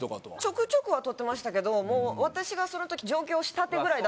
ちょくちょくは取ってましたけど私がその時上京したてぐらいだったんですよ。